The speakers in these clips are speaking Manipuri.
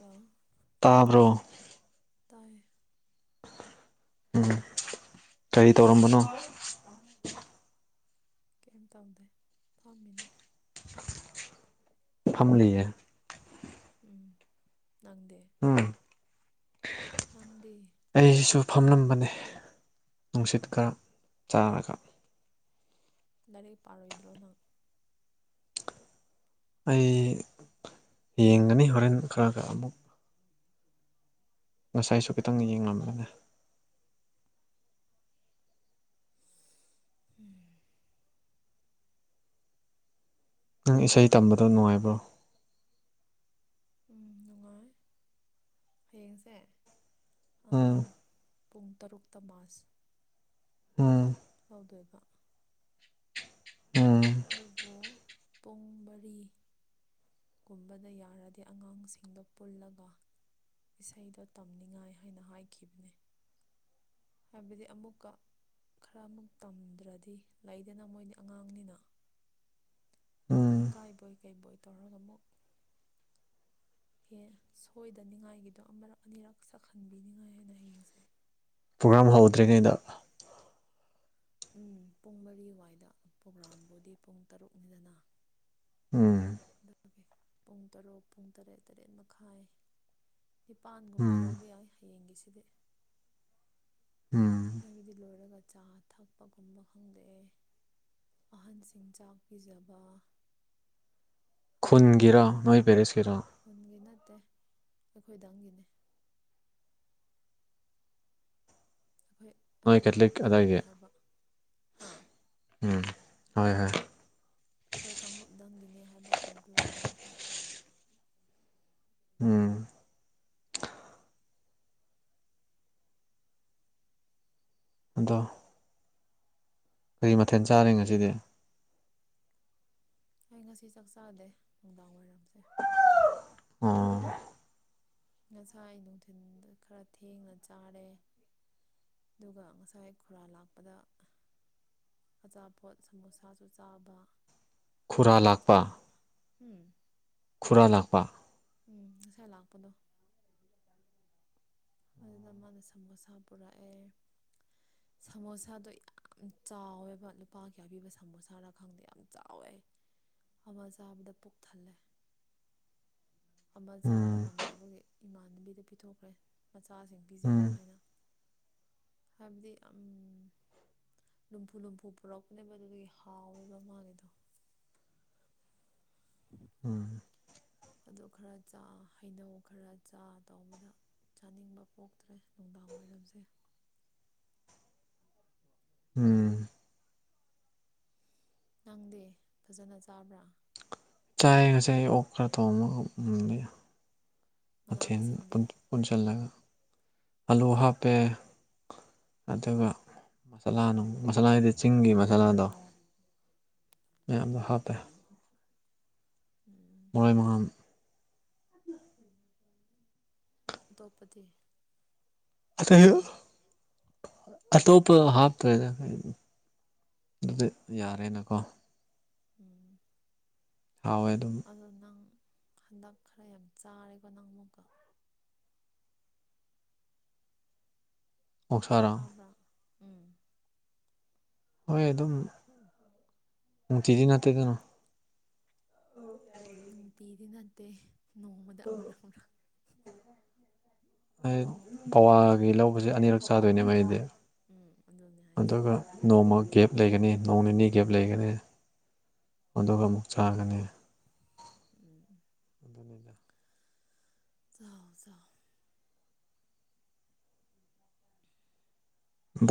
ꯑꯗꯣ ꯇꯥꯕ꯭ꯔꯣ ꯇꯥꯏ ꯎꯝ ꯀꯔꯤ ꯇꯧꯔꯝꯕꯅꯣ ꯀꯩꯝ ꯇꯝꯗꯦ ꯐꯥꯝꯃꯤꯅꯤ ꯐꯝꯂꯤꯌꯦ ꯎꯝ ꯅꯪꯗꯦ ꯎꯝ ꯅꯪꯗꯦ ꯑꯩꯁꯨ ꯐꯝꯂꯝꯕꯅꯦ ꯅꯨꯡꯁꯤꯠ ꯈꯔ ꯆꯥꯔꯒ ꯂꯥꯏꯔꯤꯛ ꯄꯥꯔꯣꯏꯗ꯭ꯔꯣ ꯅꯪ ꯑꯩ ꯌꯦꯡꯒꯅꯤ ꯍꯣꯔꯦꯟ ꯈꯔ ꯈꯔ ꯑꯃꯨꯛ ꯉꯁꯥꯏꯁꯨ ꯈꯤꯇꯪ ꯌꯦꯡꯂꯪꯕꯅꯦ ꯎꯝ ꯅꯪ ꯏꯁꯩ ꯇꯝꯕꯗꯣ ꯅꯨꯡꯉꯥꯏꯕ꯭ꯔꯣ ꯎꯝ ꯅꯨꯡꯉꯥꯏ ꯍꯌꯦꯡꯁꯦ ꯑꯥ ꯑꯝ ꯄꯨꯡ ꯇꯔꯨꯛꯛꯇ ꯃꯥꯥꯁ ꯎꯝ ꯑꯗꯨꯒꯕ ꯎꯝ ꯑꯗꯨꯕꯨ ꯄꯨꯡ ꯃꯔꯤ ꯨꯒꯨꯝꯕꯗ ꯌꯥꯔꯗꯤ ꯑꯉꯥꯡꯁꯤꯡꯗꯣ ꯄꯨꯜꯂꯒ ꯏꯁꯩꯗꯣ ꯇꯝꯅꯤꯡꯉꯥꯏ ꯍꯥꯏꯅ ꯍꯥꯏꯈꯤꯕꯅꯦ ꯍꯥꯏꯕꯗꯤ ꯑꯃꯨꯛꯀ ꯈꯔ ꯑꯃꯨꯛ ꯇꯝꯗ꯭ꯔꯗꯤ ꯂꯩꯗꯅ ꯃꯣꯏꯅꯤ ꯑꯉꯥꯡꯅꯤꯅ ꯑꯗꯨꯝ ꯎꯝ ꯏꯀꯥꯏꯕꯣꯏ ꯀꯩꯕꯣꯏ ꯇꯧꯔꯒ ꯑꯃꯨꯛ ꯑꯦ ꯁꯣꯏꯗꯅꯤꯡꯉꯥꯏꯒꯤꯗꯣ ꯑꯃꯔꯛ ꯑꯅꯤꯔꯛ ꯁꯛꯍꯟꯕꯤꯅꯤꯉꯥꯏ ꯍꯥꯏꯅ ꯍꯌꯦꯡꯁꯦ ꯄ꯭ꯔꯣꯒꯥꯝ ꯍꯧꯗ꯭ꯔꯤꯉꯩꯗ ꯎꯝ ꯄꯨꯡ ꯃꯔꯤꯋꯥꯏꯗ ꯄ꯭ꯔꯣꯒ꯭ꯔꯥꯝꯕꯨꯗꯤ ꯄꯨꯡ ꯇꯔꯨꯛꯅꯤꯗꯅ ꯎꯝ ꯄꯨꯡ ꯇꯔꯨꯛ ꯄꯨꯡ ꯇꯔꯦꯠ ꯇꯔꯦꯠ ꯃꯈꯥꯏ ꯅꯤꯄꯥꯟꯒꯨꯝꯕ ꯎꯝ ꯌꯧꯕ ꯌꯥꯏ ꯍꯌꯦꯡꯒꯤꯁꯤꯗꯤ [inaudible] ꯍꯥꯏꯕꯗꯤ ꯂꯣꯏꯔꯒ ꯆꯥ ꯊꯛꯄꯒꯨꯝꯕ ꯈꯪꯗꯦ ꯑꯍꯟꯁꯤꯡ ꯆꯥꯛ ꯄꯤꯖꯕ ꯑꯗꯨꯗ ꯈꯨꯟꯒꯤꯔꯣ ꯑꯩꯈꯣꯏꯕꯨ ꯅꯣꯏ ꯄꯦꯔꯤꯁꯀꯤꯔꯣ ꯈꯨꯟꯒꯤ ꯅꯠꯇꯦ ꯑꯩꯈꯣꯏꯗꯪꯒꯤꯅꯦ ꯑꯩꯈꯣꯏ ꯅꯣꯏ ꯑꯩꯈꯣꯏ ꯀꯦꯊꯂꯤꯛ ꯀꯥꯡꯂꯨꯞꯗꯪꯒꯤꯅꯦ ꯑꯗꯥꯏꯒꯤ ꯍꯥꯏꯕ ꯍꯥꯥ ꯎꯝ ꯍꯣꯏ ꯍꯥꯏꯕ ꯑꯩꯈꯣꯏ ꯀꯥꯡꯂꯨꯞꯗꯪꯒꯤꯅꯦ ꯍꯥꯏꯕ ꯈꯨꯟ ꯄꯨꯂꯞꯀꯤ ꯅꯠꯇꯦ ꯎꯝ ꯑꯗꯣ ꯀꯔꯤ ꯃꯊꯦꯜ ꯆꯥꯔꯦ ꯉꯁꯤꯗꯤ ꯑꯩ ꯉꯁꯤ ꯆꯥꯛꯆꯥꯥꯗꯦ ꯅꯨꯡꯗꯥꯡ ꯋꯥꯏꯔꯝꯁꯦ ꯑꯣ ꯉꯁꯥꯏ ꯅꯨꯡꯊꯤꯜꯗ ꯈꯔ ꯊꯦꯡꯅ ꯆꯥꯔꯦ ꯑꯗꯨꯒ ꯉꯁꯥꯏ ꯈꯨꯨꯔꯥ ꯂꯥꯛꯄꯗ ꯑꯆꯥꯄꯣꯠ ꯁꯃꯣꯁꯥꯁꯨ ꯆꯥꯕ ꯈꯨꯔꯥ ꯂꯥꯛꯄ ꯆꯥꯛ [inaudible] ꯈꯨꯔꯥ ꯂꯥꯛꯄ ꯎꯝ ꯉꯁꯥꯏ ꯂꯥꯛꯄꯗꯣ ꯑꯗꯨꯅ ꯃꯥꯅ ꯁꯃꯣꯁꯥ ꯄꯨꯔꯛꯑꯦ ꯁꯃꯣꯁꯥꯗꯣ ꯌꯥꯝ ꯆꯥꯎꯋꯦꯕ ꯂꯨꯄꯥ ꯀꯌꯥꯄꯤꯕ ꯁꯃꯣꯁꯥꯔꯥ ꯈꯪꯗꯦ ꯌꯥꯝ ꯆꯥꯎꯋꯦ [inaudible] ꯑꯃ ꯆꯥꯕꯗ ꯄꯨꯛ ꯊꯜꯂꯦ [inaudible] ꯑꯃ ꯆꯥꯕ ꯎꯝ ꯉꯝꯗꯕꯒꯤ ꯏꯃꯥꯟꯅꯕꯤꯗ ꯄꯤꯊꯣꯛꯈ꯭ꯔꯦ ꯃꯆꯥꯁꯤꯡ ꯄꯤꯖꯔꯣ ꯎꯝ ꯍꯥꯏꯅ ꯍꯥꯏꯕꯗꯤ ꯑꯝ ꯂꯨꯝꯕꯨ ꯂꯨꯝꯕꯨ ꯄꯨꯔꯛꯄꯅꯦꯕ ꯑꯗꯨꯗꯨꯒꯤ ꯍꯥꯎꯋꯦꯕ ꯃꯥꯒꯤꯗꯣ ꯎꯝ [inaudible] ꯑꯗꯨ ꯈꯔ ꯆꯥ ꯍꯩꯅꯧ ꯈꯔ ꯆꯥ ꯇꯧꯕꯗ ꯆꯥꯅꯤꯡꯕ ꯄꯣꯛꯇ꯭ꯔꯦ ꯅꯨꯡꯗꯥꯡ ꯋꯥꯏꯔꯝꯁꯦ [inaudible] ꯎꯝ ꯅꯪꯗꯤ ꯐꯖꯟꯅ ꯆꯕ꯭ꯔꯥ ꯑꯩ ꯉꯁꯥꯏ ꯑꯣꯛ ꯈ꯭ꯔ ꯊꯣꯡꯕ ꯍꯧ ꯃꯨꯟ ꯃꯅꯥ ꯃꯊꯦꯟ ꯃꯁꯤꯡꯗꯤ ꯄꯨꯟ ꯄꯨꯟꯁꯜꯂꯒ ꯑꯂꯨ ꯍꯥꯞꯄꯦ ꯑꯗꯨꯒ ꯃꯁꯥꯂꯥ ꯅꯨꯡ ꯃꯁꯥꯂꯥ ꯍꯥꯏꯗꯤ ꯆꯤꯡꯒꯤ ꯃꯁꯥꯂꯥꯗꯣ ꯃꯌꯥꯝꯃꯥꯗꯣ ꯍꯥꯞꯄꯦ ꯎꯝ ꯃꯣꯏ ꯃꯍꯥꯝ ꯑꯇꯣꯞꯄꯗꯤ ꯑ ꯇꯩ ꯌꯣ ꯑꯇꯣꯞꯄ ꯍꯥꯞꯇ꯭ꯔꯦ ꯗ ꯀꯔꯤꯝ ꯑꯗꯨꯗꯤ ꯌꯥꯔꯦꯅꯀꯣ ꯎꯝ ꯍꯥꯎꯋꯦ ꯑꯗꯨꯝ ꯑꯗꯣ ꯅꯪ ꯍꯟꯗꯛ ꯈꯔ ꯌꯥꯝ ꯆꯥꯔꯦꯀꯣ ꯅꯪ ꯑꯃꯨꯛꯀ ꯑꯣꯛꯁꯥꯔꯥ ꯆꯥꯕ꯭ꯔꯥ ꯎꯝ ꯍꯣꯏ ꯑꯗꯨꯝ ꯅꯨꯡꯇꯤꯒꯤ ꯅꯠꯇꯦ ꯀꯩꯅꯣ ꯅꯨꯡꯇꯤꯗꯤ ꯅꯠꯇꯦ ꯅꯣꯡꯃꯗ ꯑꯃꯔꯛ ꯑꯃꯔꯛ ꯑꯩ ꯄꯋꯥꯒꯤ ꯂꯧꯕꯁꯦ ꯑꯅꯤꯔꯛ ꯆꯥꯗꯣꯏꯅꯦꯕ ꯑꯩꯗꯤ ꯎꯝ ꯑꯗꯨꯅꯦ ꯍꯥꯏꯁꯦ ꯑꯗꯨꯒ ꯅꯣꯡꯃ ꯒꯦꯞ ꯂꯩꯒꯅꯤ ꯅꯣꯡ ꯅꯤꯅꯤ ꯒꯦꯞ ꯂꯩꯒꯅꯤ ꯑꯗꯨꯒ ꯑꯃꯨꯛ ꯆꯥꯒꯅꯤ ꯎꯝ ꯑꯗꯨꯅꯤꯗ ꯆꯥꯎ ꯆꯥꯎ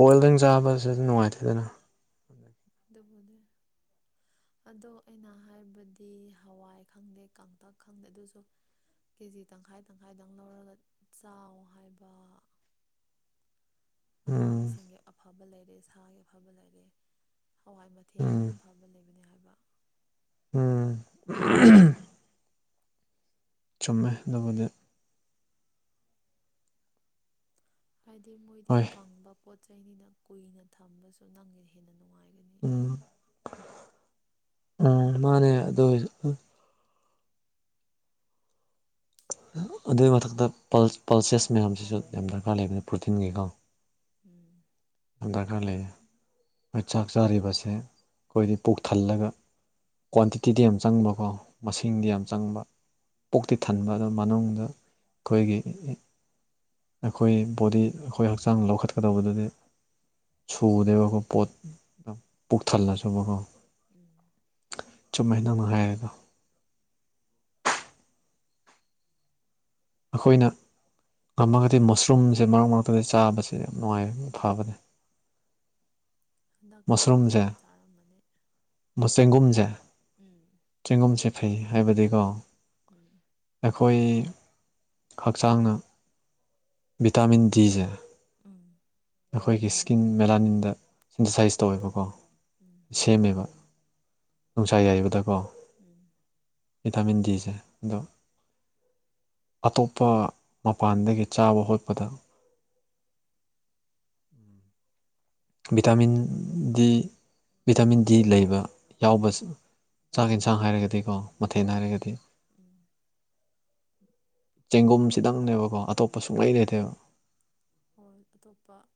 ꯕꯣꯏꯜꯗꯪ ꯍꯌꯦꯡꯅ ꯆꯥꯕꯁꯦ ꯅꯨꯡꯉꯥꯏꯇꯦꯗꯅ ꯑꯗꯨꯕꯗꯤ ꯑꯗꯣ ꯑꯩꯅ ꯍꯥꯏꯕꯗꯤ ꯍꯋꯥꯏ ꯈꯪꯗꯦ ꯀꯥꯡꯇꯛ ꯈꯪꯗꯦ ꯑꯗꯨꯁꯨ ꯀꯦꯖꯤ ꯇꯪꯈꯥꯏ ꯇꯪꯈꯥꯏꯗꯪ ꯂꯧꯔꯒ ꯆꯥꯎ ꯍꯥꯏꯕ [inaudible] ꯃꯅꯥ ꯎꯝ ꯃꯁꯤꯡꯒꯤ ꯑꯐꯕ ꯂꯩꯔꯦ ꯁꯥꯒꯤ ꯑꯐꯕ ꯂꯩꯔꯦ ꯍꯋꯥꯏ ꯃꯊꯦꯜ ꯎꯝ ꯑꯗꯨꯝ ꯐꯕ ꯂꯩꯕꯅꯦ ꯍꯥꯏꯕ ꯎꯝ ꯆꯨꯝꯃꯦ ꯑꯗꯨꯕꯨꯗꯤ ꯍꯥꯏꯗꯤ ꯃꯣꯏꯗꯤ ꯍꯣꯏ ꯀꯪꯕ ꯄꯣꯠ ꯆꯩꯩꯅꯤꯅ ꯀꯨꯏꯅ ꯊꯝꯕꯁꯨ ꯅꯪꯅ ꯍꯦꯟꯅ ꯅꯨꯡꯉꯥꯏ ꯎꯝ ꯎꯝ ꯃꯥꯅꯦ ꯑꯗꯨꯑꯣꯢꯁꯨ ꯑꯗꯨꯒꯤ ꯃꯊꯛꯇ ꯄꯜꯁ ꯄꯜꯁꯦꯁ ꯃꯌꯥꯝꯁꯤꯁꯨ ꯌꯥꯝ ꯗꯔꯀꯥꯔ ꯂꯩꯕꯅꯤ ꯄ꯭ꯔꯣꯇꯤꯟꯒꯤ ꯀꯥꯎ ꯎꯝ ꯑ ꯗꯀꯥ ꯂꯩ ꯃꯩꯆꯥꯛ ꯆꯥꯛꯂꯤꯕꯁꯦ ꯑꯩꯈꯣꯏꯗꯤ ꯄꯨꯣꯛ ꯊꯜꯂꯒ ꯀ꯭ꯋꯥꯟꯇꯤꯇꯤꯗꯤ ꯌꯥꯝ ꯆꯪꯕꯀꯣ ꯃꯁꯤꯡꯗꯤ ꯌꯥꯝ ꯎꯝ ꯆꯪꯕ ꯄꯨꯛꯇꯤ ꯎꯝ ꯊꯟꯕ ꯑꯗꯨ ꯃꯅꯨꯡꯗ ꯑꯩꯈꯣꯏꯒꯤ ꯑꯩꯈꯣꯏ ꯕꯣꯗꯤ ꯑꯩꯈꯣꯏ ꯍꯛꯆꯥꯡ ꯂꯧꯈꯠꯀꯗꯧꯕꯗꯨꯗꯤ ꯁꯨꯗꯦꯕꯀꯣ ꯄꯣꯠ ꯄꯨꯛ ꯊꯜꯂꯁꯨꯕ ꯀꯣ ꯎꯝ [unintelligible] ꯑꯩꯈꯣꯏꯅ ꯉꯝꯃꯒ ꯃꯁꯔꯨꯝꯁꯦ ꯃꯔꯛ ꯃꯔꯛꯇ ꯆꯥꯕꯁꯦ ꯌꯥꯝ ꯅꯨꯡꯉꯥꯏꯕꯅꯦ ꯐꯕꯅꯦ ꯍꯟꯗꯛꯇꯤ ꯅꯪꯗꯤ ꯌꯥꯝ ꯆꯥꯔꯝꯃꯅꯤ ꯃ ꯆꯦꯡꯒꯨꯝꯁꯦ ꯎꯝ ꯆꯦꯡꯒꯨꯝꯁꯦ ꯐꯩ ꯍꯥꯏꯕꯗꯤꯀꯣ ꯎꯝ ꯑꯩꯈꯣꯏ ꯍꯛꯆꯥꯡꯅ ꯚꯤꯇꯥꯃꯤꯟ ꯗꯤꯁꯦ ꯎꯝ ꯑꯩꯈꯣꯏꯒꯤ ꯏꯁꯀꯤꯟ ꯃꯦꯂꯥꯅꯤꯟꯗ ꯁꯦꯟꯇꯁꯥꯏꯁ ꯇꯧꯋꯦꯕꯀꯣ ꯎꯝ ꯁꯦꯝꯃꯦꯕ ꯅꯨꯡꯁꯥ ꯌꯥꯏꯕꯗꯀꯣ ꯎꯝ ꯚꯤꯇꯥꯃꯤꯟ ꯗꯤꯁꯦ ꯑꯗꯣ ꯑꯇꯣꯞꯄ ꯃꯄꯥꯟꯗꯒꯤ ꯆꯥꯕ ꯍꯣꯠꯄꯗ ꯚꯤꯇꯥꯃꯤꯟ ꯗꯤ ꯚꯤꯇꯥꯃꯤꯟ ꯗꯤ ꯂꯩꯕ ꯌꯥꯎꯕ ꯆꯥꯛ ꯌꯦꯟꯁꯥꯡ ꯍꯥꯏꯔꯒꯗꯤꯀꯣ ꯃꯊꯦꯟ ꯎꯝ ꯍꯥꯏꯔꯒꯗꯤ ꯎꯝ ꯆꯦꯡꯒꯨꯝꯁꯤꯗꯪꯅꯦꯕꯀꯣ ꯑꯇꯣꯞꯄ ꯁꯨꯡꯂꯩ ꯂꯩꯇꯦꯕ ꯑꯇꯣꯞꯄ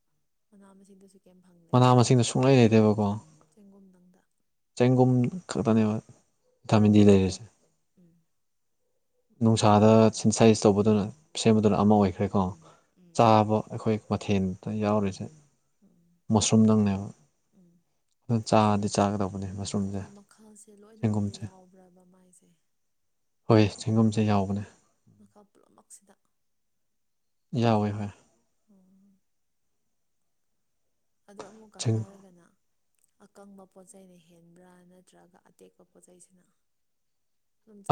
ꯃꯅꯥ ꯃꯁꯤꯡꯗꯁꯨ ꯀꯩꯝ ꯐꯪꯗꯦ ꯃꯅꯥ ꯃꯁꯤꯡꯗ ꯁꯨꯡꯂꯩ ꯂꯩꯇꯦꯕꯀꯣ ꯆꯦꯡꯒꯨꯝꯗꯪꯗ ꯆꯦꯡꯒꯨꯝ ꯈꯛꯇꯅꯦꯕ ꯊꯥꯃꯤꯟꯗꯤ ꯎꯝ ꯂꯩꯔꯤꯁꯦ ꯎꯝ ꯅꯨꯡꯁꯥꯗ ꯁꯦꯟꯁꯥꯏꯁ ꯇꯧꯕꯗꯨꯅ ꯁꯦꯝꯕꯗꯨꯅ ꯑꯃ ꯑꯣꯏꯈ꯭ꯔꯦꯀꯣ ꯎꯝ ꯆꯥꯕ ꯑꯩꯈꯣꯏ ꯃꯊꯦꯜꯗ ꯌꯥꯎꯔꯤꯁꯦ ꯎꯝ ꯃꯨꯁꯔꯨꯝꯗꯪꯅꯦꯕ ꯎꯝ ꯑꯗꯨ ꯆꯥꯗꯤ ꯆꯥꯒꯗꯕ ꯑꯗꯣ ꯃꯈꯜꯁꯦ ꯂꯣꯏꯅꯃꯛꯇ ꯌꯥꯎꯕ꯭ꯔꯕ ꯃꯥꯏꯁꯦ ꯍꯣꯏ ꯆꯦꯡꯒꯨꯝꯁꯦ ꯌꯥꯎꯕꯅꯦ ꯃꯈꯜ ꯄꯨꯝꯅꯃꯛꯁꯤꯗ ꯌꯥꯎꯋꯦ ꯍꯣꯏ ꯎꯝ ꯑꯗꯣ ꯑꯃꯨꯛꯀ ꯆꯦꯡ ꯍꯥꯏꯔꯒꯅ ꯑꯀꯪꯕ ꯄꯣꯠ ꯆꯩꯅ ꯍꯦꯟꯕ꯭ꯔ ꯅꯠꯇ꯭ꯔꯒ ꯑꯇꯦꯛꯄ ꯄꯣꯠꯆꯩꯁꯤꯅ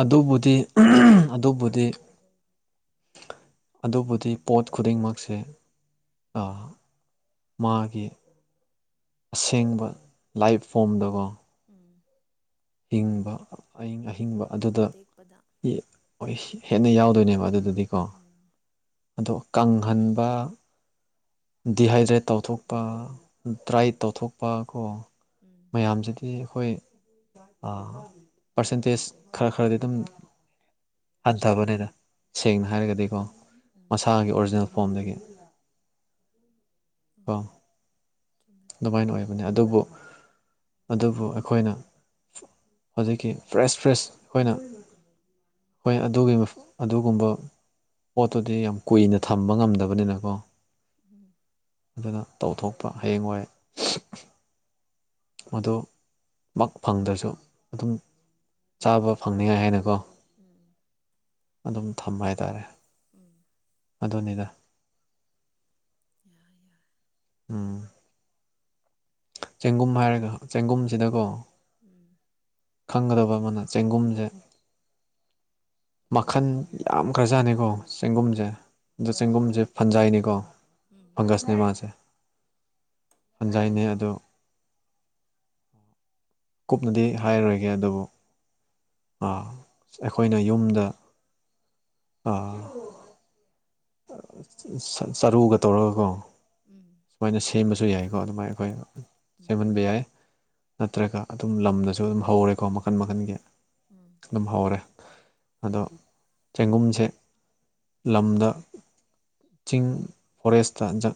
ꯑꯗꯨꯕꯨꯗꯤ ꯑꯗꯨꯕꯨꯗꯤ ꯑꯗꯨꯕꯨꯗꯤ ꯄꯣꯠ ꯈꯨꯗꯤꯡꯃꯛꯁꯦ ꯑꯥ ꯃꯥꯒꯤ ꯑꯁꯦꯡꯕ ꯂꯥꯏꯞ ꯐꯣꯝꯗꯀꯣ ꯎꯝ ꯍꯤꯡꯕ ꯑꯍꯤꯡ ꯑꯍꯤꯡꯕ ꯑꯣ ꯑꯗꯨꯗ ꯑꯇꯦꯛꯄꯗ ꯏ ꯍꯦꯟꯅ ꯌꯥꯎꯗꯣꯏꯅꯦꯕ ꯑꯗꯨ ꯗꯤꯀꯣ ꯎꯝ ꯑꯗꯣ ꯀꯪꯍꯟꯕ ꯗꯤꯍꯥꯏꯗ꯭ꯔꯦꯠ ꯇꯧꯊꯣꯛꯄ ꯗ꯭ꯔꯥꯏ ꯇꯧꯊꯣꯛꯄ ꯀꯣ ꯎꯝ ꯃꯌꯥꯝꯁꯤꯗꯤ ꯑꯩꯈꯣꯏ ꯑꯥ ꯄꯔꯁꯦꯟꯇꯦꯖ ꯈꯔ ꯈꯔꯗꯤ ꯑꯗꯨꯝ ꯍꯟꯊꯕꯅꯦꯗ ꯎꯝ ꯁꯦꯡꯅ ꯍꯥꯏꯔꯒꯗꯤꯀꯣ ꯎꯝ ꯃꯁꯥꯒꯤ ꯑꯣꯔꯤꯖꯤꯅꯦꯜ ꯐꯣꯝꯗꯒꯤ ꯀꯣ [inaudible] ꯆꯨꯝꯃꯦ ꯑꯗꯨꯃꯥꯏꯅ ꯑꯣꯏꯕꯅꯤ ꯑꯗꯨꯕꯨ ꯑꯗꯨꯕꯨ ꯑꯩꯈꯣꯏꯅ ꯍꯧꯖꯤꯛꯀꯤ ꯐ꯭ꯔꯦꯁ ꯐ꯭ꯔꯦꯁ ꯑꯩꯈꯣꯏꯅ ꯑꯩꯈꯣꯏ ꯑꯗꯨꯒꯤ ꯑꯗꯨꯒꯨꯝꯕ ꯄꯣꯠꯇꯨꯗꯤ ꯌꯥꯝ ꯀꯨꯏꯅ ꯊꯝꯕ ꯉꯝꯗꯕꯅꯤꯅꯀꯣ ꯎꯝ ꯑꯗꯨꯅ ꯇꯧꯊꯣꯛꯄ ꯍꯌꯦꯡꯋꯥꯏ ꯃꯗꯨ ꯃꯛ ꯐꯪꯗ꯭ꯔꯁꯨ ꯑꯗꯨꯝ ꯆꯥꯕ ꯐꯪꯅꯤꯉꯥꯏ ꯍꯥꯏꯅꯀꯣ ꯎꯝ ꯑꯗꯨꯝ ꯊꯝꯕ ꯍꯥꯏꯇꯔꯦ ꯎꯝ ꯗꯣꯅꯦꯗ ꯌꯥ ꯌꯥꯏ ꯎꯝ ꯆꯦꯡꯒꯨꯝ ꯍꯥꯏꯔꯒ ꯆꯦꯡꯒꯨꯝꯁꯤꯗꯀꯣ ꯎꯝ [inaudible] ꯆꯪꯒꯗꯕ ꯑꯃꯅ ꯆꯦꯡꯒꯨꯝꯁꯦ ꯃꯈꯜ ꯌꯥꯝ ꯈ꯭ꯔꯖꯥꯠꯅꯤꯀꯣ ꯆꯦꯡꯒꯨꯝꯁꯦ ꯑꯗꯨ ꯎꯝ ꯎꯝ ꯆꯦꯡꯒꯨꯝꯁꯦ ꯐꯟꯖꯥꯏꯅꯤꯀꯣ ꯐꯪꯒꯁꯅꯦ ꯃꯥꯁꯦ ꯐꯟꯖꯥꯏꯅꯦ ꯑꯗꯣ ꯀꯨꯞꯅꯗꯤ ꯍꯥꯏꯔꯔꯣꯏꯒꯦ ꯑꯗꯨꯕꯨ ꯑ ꯑꯩꯈꯣꯏꯅ ꯌꯨꯝꯗ ꯑꯥ ꯆꯔꯨꯒ ꯇꯧꯔꯒꯀꯣ ꯎꯝ ꯎꯝ ꯁꯨꯃꯥꯏꯅ ꯁꯦꯝꯕꯁꯨ ꯌꯥꯏꯀꯣ ꯑꯗꯨꯃꯥꯏꯅ ꯑꯩꯈꯣꯏ ꯁꯦꯝꯍꯟꯕ ꯌꯥꯏ ꯅꯠꯇ꯭ꯔꯒ ꯑꯗꯨꯝ ꯂꯝꯗꯁꯨ ꯑꯗꯨꯝ ꯍꯧꯔꯦꯀꯣ ꯃꯈꯟ ꯃꯈꯟꯒꯤ ꯎꯝ ꯎꯝ ꯑꯗꯨꯝ ꯍꯧꯔꯦ ꯑꯗꯣ ꯆꯦꯡꯒꯨꯝꯁꯦ ꯂꯝꯗ ꯆꯤꯡ ꯐꯣꯔꯦꯁꯇ ꯖ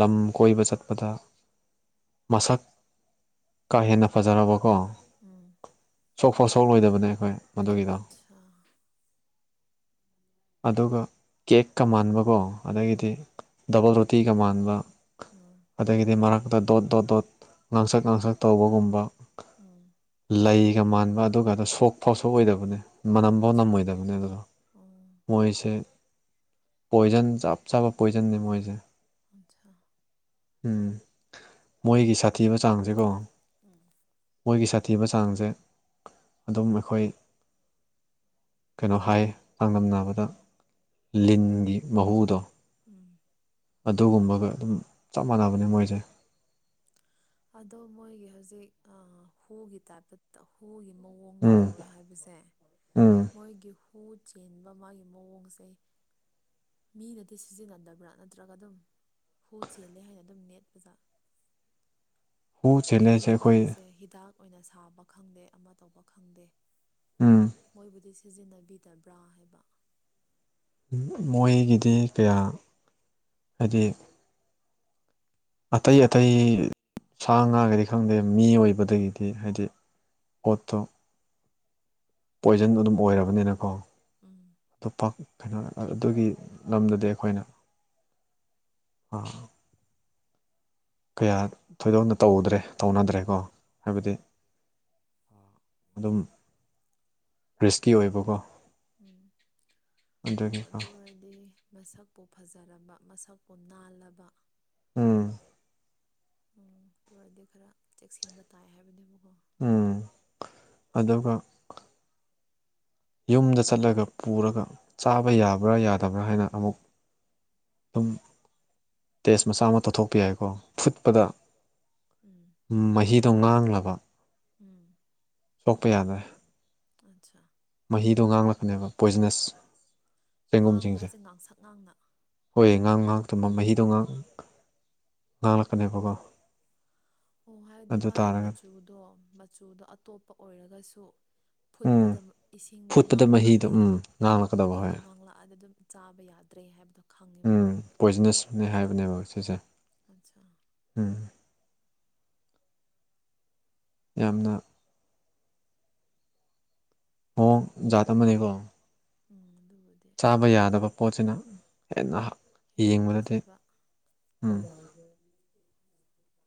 ꯂꯝ ꯀꯣꯏꯕ ꯆꯠꯄꯗ ꯃꯁꯛ ꯀꯥ ꯍꯦꯟꯅ ꯐꯖꯔꯕꯀꯣ ꯎꯝ ꯁꯣꯛꯐꯥꯎ ꯁꯣꯛꯂꯣꯏꯗꯕꯅꯦ ꯑꯩꯈꯣꯏ ꯃꯗꯨꯒꯤꯗꯣ ꯑꯠꯁꯥ ꯑꯗꯨꯒ ꯀꯦꯛꯀ ꯃꯥꯟꯕꯀꯣ ꯑꯗꯒꯤꯗꯤ ꯎꯝ ꯗꯕꯜ ꯇꯤꯒ ꯃꯥꯟꯕ ꯎꯝ ꯑꯗꯒꯤꯗꯤ ꯃꯔꯛꯇ ꯗꯣꯠ ꯗꯣꯠ ꯗꯣꯠ ꯉꯥꯡꯁꯛ ꯉꯥꯡꯁꯛ ꯇꯧꯕꯒꯨꯝꯕ ꯎꯝ [inaudible] ꯂꯩꯒ ꯃꯥꯟꯕ ꯑꯗꯨꯒꯗ ꯁꯣꯛꯐꯥꯎ ꯁꯣꯛꯑꯣꯏꯗꯕꯅꯤ ꯃꯅꯝꯐꯥꯎ ꯑꯠꯁꯥ ꯅꯝꯃꯣꯏꯗꯕꯅꯦ ꯑꯗꯨꯗꯣ ꯑꯣ ꯃꯣꯏꯁꯦ ꯄꯣꯏꯖ ꯆꯞ ꯆꯥꯄ ꯄꯣꯏꯖꯅꯤ ꯃꯣꯏꯁꯦ ꯑꯠꯁꯥ ꯎꯝ ꯃꯣꯏꯒꯤ ꯁꯥꯊꯤꯕ ꯆꯥꯡꯁꯤꯀꯣ ꯎꯝ ꯃꯣꯏꯒꯤ ꯁꯥ ꯊꯤꯕ ꯆꯥꯡꯁꯦ ꯑꯗꯨꯝ ꯑꯩꯈꯣꯏ ꯀꯩꯅꯣ ꯍꯥꯏ ꯆꯥꯡꯗꯝꯅꯕꯗ ꯂꯤꯟꯒꯤ ꯃꯍꯨꯗꯣ ꯎꯝ ꯑꯗꯨꯒꯨꯝꯕꯒ ꯑꯗꯨꯝ ꯆꯞ ꯃꯥꯟꯅꯕꯅꯦ ꯃꯣꯏꯁꯦ ꯑꯗꯣ ꯃꯣꯏꯒꯤ ꯍꯧꯖꯤꯛ ꯑ ꯍꯨꯒꯤ ꯇꯥꯏꯞꯇ ꯄ ꯍꯨꯒꯤ ꯃꯑꯣꯡꯗ ꯎꯝ ꯇꯧꯋꯦ ꯍꯥꯏꯕꯁꯦ ꯎꯝ ꯃꯣꯏꯒꯤ ꯍꯨ ꯆꯦꯟꯕ ꯃꯥꯒꯤ ꯃꯑꯣꯡꯁꯦ ꯃꯤꯅꯗꯤ ꯁꯤꯖꯤꯟꯅꯗꯕ꯭ꯔꯥ ꯅꯠꯇ꯭ꯔꯒ ꯑꯗꯨꯝ ꯍꯨ ꯆꯦꯜꯂꯦ ꯍꯥꯏꯅ ꯑꯗꯨꯝ ꯅꯦꯠꯄꯖ ꯍꯨ ꯆꯦꯜꯂꯦꯁꯦ ꯃꯤꯅ ꯑꯩꯈꯣꯏ ꯍꯥꯏꯁꯦ ꯍꯤꯗꯥꯛ ꯑꯣꯏꯅ ꯁꯥꯕ ꯈꯪꯗꯦ ꯑꯃ ꯇꯧꯕ ꯈꯪꯗꯦ ꯎꯝ ꯃꯣꯏꯕꯨꯗꯤ ꯁꯤꯖꯤꯟꯅꯕꯤꯗꯕ꯭ꯔꯥ ꯍꯥꯏꯕ ꯃꯣꯏꯒꯤꯗꯤ ꯀꯌꯥ ꯍꯥꯏꯗꯤ ꯑꯇꯩ ꯑꯇꯩ ꯁꯥ ꯉꯥꯒꯗꯤ ꯈꯪꯗꯦ ꯃꯤ ꯑꯣꯏꯕꯗꯒꯤꯗꯤ ꯍꯥꯏꯗꯤ ꯀꯣꯠꯇꯣ ꯄꯣꯏꯖꯟ ꯑꯗꯨꯝ ꯑꯣꯏꯔꯕꯅꯤꯅꯀꯣ ꯎꯝ ꯑꯇꯣꯞꯄ ꯀꯩꯅꯣ ꯑꯗꯨꯒꯤ ꯂꯝꯗꯗꯤ ꯑꯩꯈꯣꯏꯅ ꯑ ꯀꯌꯥ ꯊꯣꯏꯗꯣꯛꯅ ꯇꯧꯗ꯭ꯔꯦ ꯇꯧꯅꯗ꯭ꯔꯦꯀꯣ ꯍꯥꯏꯕꯗꯤ ꯎꯝ ꯑꯗꯨꯝ ꯔꯤꯁꯀꯤ ꯑꯣꯏꯕꯀꯣ ꯎꯝ ꯑꯣ ꯑꯗꯨꯒꯤꯀꯣ ꯑꯗꯨ ꯑꯣꯏꯔꯗꯤ ꯃꯁꯛꯄꯨ ꯐ ꯐꯖꯔꯕ ꯃꯁꯛꯄꯨ ꯅꯥꯜꯂꯕ ꯎꯝ ꯎꯝ ꯑꯗꯨ ꯑꯣꯏꯔꯗꯤ ꯈꯔ ꯆꯦꯛꯁꯤꯟꯕ ꯇꯥꯏ ꯍꯥꯏꯕꯅꯦꯕꯀꯣ ꯎꯝ ꯑꯗꯨꯒ ꯌꯨꯝꯗ ꯆꯠꯂꯒ ꯄꯨꯔꯒ ꯆꯥꯕ ꯌꯥꯕ꯭ꯔꯥ ꯌꯥꯗꯕ꯭ꯔꯥ ꯍꯥꯏꯅ ꯑꯃꯨꯛ ꯑꯗꯨꯝ ꯇꯦꯁ ꯃꯆꯥ ꯑꯃ ꯇꯧꯊꯣꯛꯄ ꯌꯥꯏꯀꯣ ꯐꯨꯠꯄꯗ ꯎꯝ ꯃꯍꯤꯗꯣ ꯉꯥꯡꯂꯕ ꯎꯝ ꯁꯣꯛꯄ ꯌꯥꯗ꯭ꯔꯦ ꯑꯆꯥ ꯃꯍꯤꯗꯣ ꯉꯥꯡꯂꯛꯄꯅꯦꯕ ꯄꯣꯏꯖꯅꯁ ꯉꯥꯡꯕ ꯆꯦꯡꯒꯨꯝꯁꯤꯡꯁꯦ ꯍꯥꯏꯁꯦ ꯉꯥꯡꯁꯛ ꯉꯥꯡꯅ ꯍꯣꯏ ꯉꯥꯡ ꯉꯥꯡꯇꯨꯕ ꯃꯍꯤꯗꯣ ꯉꯥꯡ ꯉꯥꯡꯂꯛꯀꯅꯦꯕꯀꯣ ꯑꯣ ꯍꯥꯏꯕꯗꯤ ꯑꯗꯨ ꯃꯥꯒꯤ ꯇꯥꯔꯒꯗꯤ ꯃꯆꯨꯗꯣ ꯃꯆꯨꯗꯣ ꯑꯇꯣꯞꯄ ꯑꯣꯏꯔꯒꯁꯨ ꯎꯝ ꯐꯨꯠꯄꯗ ꯏꯁꯤꯡꯗꯣ ꯐꯨꯠꯄꯗ ꯃꯍꯤꯗꯣ ꯉꯥꯡꯂꯛꯑꯗꯤ ꯎꯝ ꯉꯥꯡꯂꯛꯀꯗꯕ ꯃꯩꯗꯣ ꯍꯣꯏ ꯉꯥꯡꯂꯛꯑꯗꯤ ꯑꯗꯨꯝ ꯆꯥꯕ ꯌꯥꯗ꯭ꯔꯦ ꯍꯥꯏꯕꯗꯣ ꯎꯝ ꯈꯪꯉꯦꯕꯀꯣ ꯄꯣꯏꯖꯅꯁꯅꯦ ꯍꯥꯏꯕꯅꯦꯕ ꯁꯤꯁꯦ ꯑꯠꯆꯥ ꯎꯝ ꯌꯥꯝꯅ ꯑꯣ ꯖꯥꯠ ꯑꯃꯅꯦꯀꯣ ꯎꯝ ꯑꯗꯨ ꯆꯥꯕ ꯌꯥꯗꯕ ꯄꯣꯠꯁꯤꯅ ꯍꯦꯟꯅ ꯍꯦꯟꯅ ꯌꯦꯡꯕꯗꯗꯤ ꯐꯖꯕ ꯎꯝ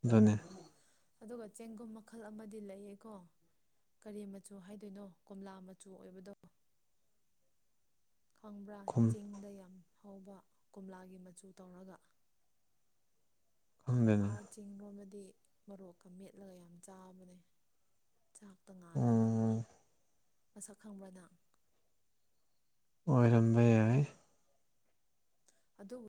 ꯑꯗꯨꯅꯦ ꯑꯗꯨꯒ ꯆꯦꯡꯒꯨꯝ ꯃꯈꯜ ꯑꯃꯗꯤ ꯂꯩꯌꯦꯀꯣ ꯀꯔꯤ ꯃꯆꯨ ꯍꯥꯏꯗꯣꯏꯅꯣ ꯀꯣꯝꯂꯥ ꯃꯆꯨ ꯑꯣꯏꯕꯗꯣ ꯈꯪꯕ꯭ꯔꯥ ꯈꯨꯝ ꯆꯤꯡꯗ ꯌꯥꯝ ꯍꯧꯕ ꯀꯣꯝꯂꯥꯒꯤ ꯃꯆꯨ ꯇꯧꯔꯒ ꯈꯪꯗꯦꯅꯦ ꯑꯥ ꯆꯤꯔꯣꯝꯗꯗꯤ ꯃꯣꯔꯣꯛꯀ ꯃꯦꯠꯂꯒ ꯌꯥꯝ ꯆꯥꯕꯅꯦ ꯆꯥꯛꯇ ꯉꯥꯜꯂꯒ ꯎꯝ ꯃꯁꯛ ꯈꯪꯕ꯭ꯔ ꯅꯪ ꯑꯣꯏꯔꯝꯕ ꯌꯥꯏ ꯑꯗꯨ